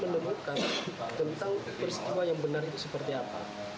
menemukan tentang peristiwa yang benar itu seperti apa